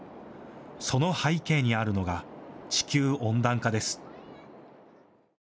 その背景にあるのが地球温暖化です。